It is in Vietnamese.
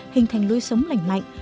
hình thành lối sống lành mạnh